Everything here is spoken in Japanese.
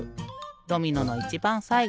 ドミノのいちばんさいご。